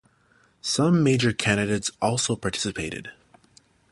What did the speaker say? Some major candidates also participated.